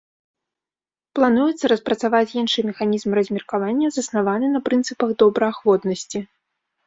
Плануецца распрацаваць іншы механізм размеркавання, заснаваны на прынцыпах добраахвотнасці.